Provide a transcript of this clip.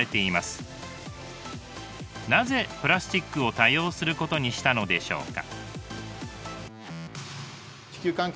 なぜプラスチックを多用することにしたのでしょうか？